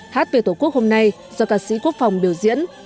hát về tổ quốc hôm nay do ca sĩ quốc phòng biểu diễn